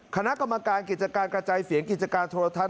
คณะกรรมการกิจการกระจายเสียงกิจการโทรทัศน